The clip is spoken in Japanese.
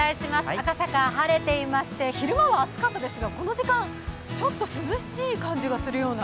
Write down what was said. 赤坂晴れていまして、昼間は暑かったですが、この時間ちょっと涼しいような。